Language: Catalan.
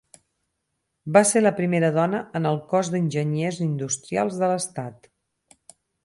Va ser la primera dona en el Cos d'Enginyers Industrials de l'Estat.